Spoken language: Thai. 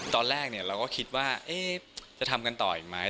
ตอนแรกเราก็คิดว่าจะทำกันต่ออีกไหม